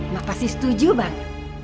mbak pasti setuju mbak